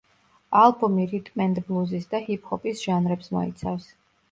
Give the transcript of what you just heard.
ალბომი რიტმ-ენდ-ბლუზის და ჰიპ-ჰოპის ჟანრებს მოიცავს.